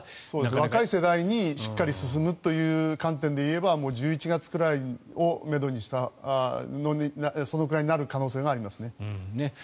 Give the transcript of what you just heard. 若い世代にしっかり進むという観点でいえば１１月くらいそのくらいになる可能性がありますね。